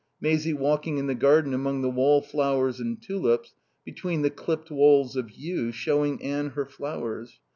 Maisie walking in the garden among the wall flowers and tulips, between the clipped walls of yew, showing Anne her flowers.